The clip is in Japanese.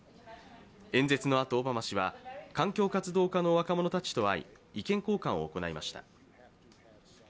演説のあと、オバマ氏は環境活動家の若者たちと会い意見交換を行いました。